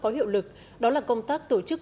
có hiệu lực đó là công tác tổ chức